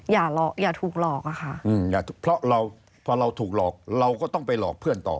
อย่าหลอกอย่าถูกหลอกอะค่ะเพราะเราถูกหลอกเราก็ต้องไปหลอกเพื่อนต่อ